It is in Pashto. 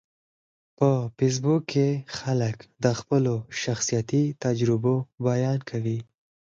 په فېسبوک کې خلک د خپلو شخصیتي تجربو بیان کوي